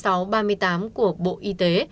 theo quyết định ba mươi sáu ba mươi tám của bộ y tế